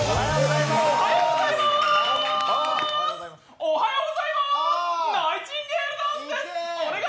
おはようございます。